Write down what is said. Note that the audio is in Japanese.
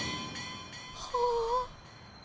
はあ。